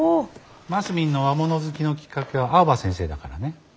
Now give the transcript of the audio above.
マスミンの和物好きのきっかけは青葉先生だからね。